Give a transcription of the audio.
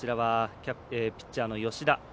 ピッチャーの吉田。